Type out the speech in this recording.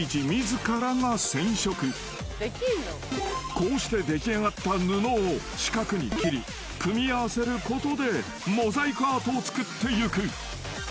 ［こうして出来上がった布を四角に切り組み合わせることでモザイクアートを作ってゆく］